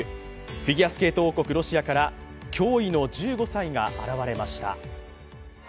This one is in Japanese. フィギュアスケート王国ロシアから驚異の１５歳が現れました。